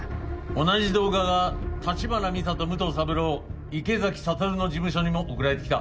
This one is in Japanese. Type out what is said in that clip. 同じ動画が橘美沙と武藤三朗池崎慧の事務所にも送られてきた。